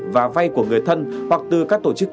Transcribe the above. và vay của người thân hoặc từ các tổ chức